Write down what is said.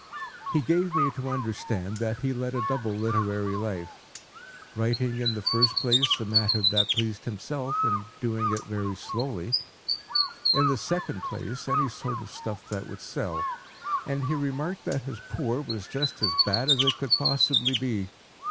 He gave me to understand that he led a double literary life; writing in the first place the matter that pleased himself, and doing it very slowly; in the second place, any sort of stuff that would sell. And he remarked that his poor was just as bad as it could possibly be.